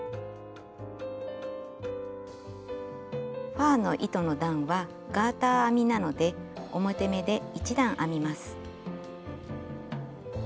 ファーの糸の段はガーター編みなので表目で１段編みます。